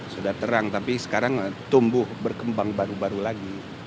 sudah terang tapi sekarang tumbuh berkembang baru baru lagi